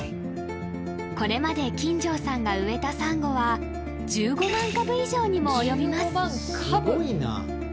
これまで金城さんが植えたサンゴは１５万株以上にも及びます